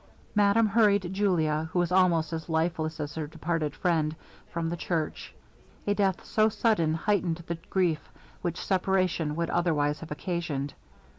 Madame hurried Julia, who was almost as lifeless as her departed friend, from the church. A death so sudden heightened the grief which separation would otherwise have occasioned.